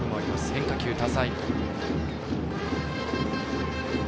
変化球、多彩。